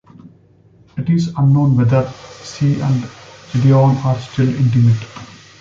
It is unknown whether she and Gideon are still intimate.